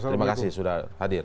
terima kasih sudah hadir